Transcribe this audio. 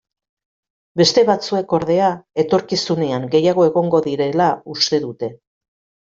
Beste batzuek, ordea, etorkizunean gehiago egongo direla uste dute.